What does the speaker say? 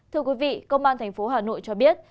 thưa quý vị công an thành phố hà nội cho biết